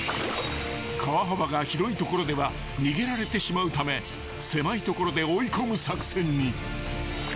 ［川幅が広い所では逃げられてしまうため狭い所で追い込む作戦に］